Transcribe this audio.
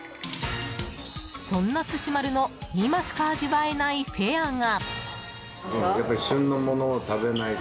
そんな、すし丸の今しか味わえないフェアが。